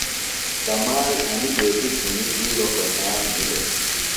کمال انیۡ بیتیۡ ݜُݨیۡ بِیڈوۡ خوۡشان بِھلوۡ۔